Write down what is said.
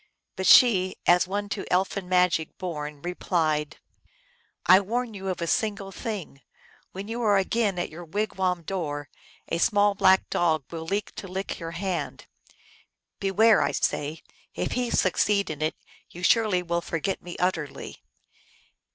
But she, as one to elfin magic born, replied, " I warn you of a single thing. When you again are at your wigwam door a small black dog will leap to lick your hand. Beware, I say ; if he succeed in it, you surely will forget me ut terly."